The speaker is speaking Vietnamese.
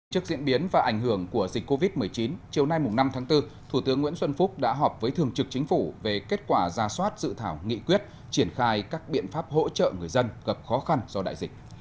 trước diễn biến và ảnh hưởng của dịch covid một mươi chín chiều nay năm tháng bốn thủ tướng nguyễn xuân phúc đã họp với thường trực chính phủ về kết quả ra soát dự thảo nghị quyết triển khai các biện pháp hỗ trợ người dân gặp khó khăn do đại dịch